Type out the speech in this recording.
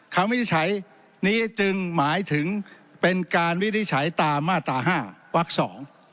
วินิจฉัยนี้จึงหมายถึงเป็นการวินิจฉัยตามมาตราห้าวักสอง